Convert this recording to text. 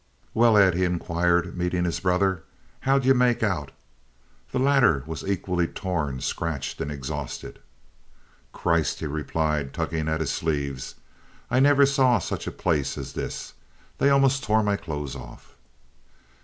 "Well, Ed," he inquired, meeting his brother, "how'd you make out?" The latter was equally torn, scratched, exhausted. "Christ," he replied, tugging at his sleeves, "I never saw such a place as this. They almost tore my clothes off."